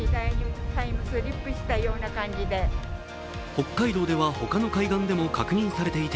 北海道ではほかの海岸でも確認されていて